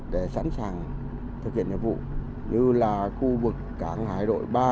để sẵn sàng thực hiện nhiệm vụ như là khu vực cảng hải đội ba nghìn ba mươi hai